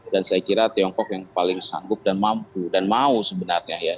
dan saya kira tiongkok yang paling sanggup dan mampu dan mau sebenarnya ya